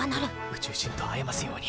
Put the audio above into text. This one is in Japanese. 宇宙人と会えますように！